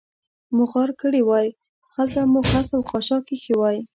مو غار کړې وای، هلته مو خس او خاشاک اېښي وای.